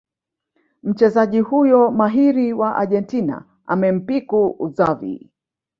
Mchezaji huyo mahiri wa Argentina amempiku Xavi